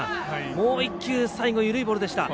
もう１球、最後緩いボールでした。